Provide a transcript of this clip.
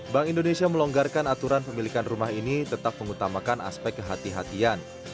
bank indonesia melonggarkan aturan pemilikan rumah ini tetap mengutamakan aspek kehatian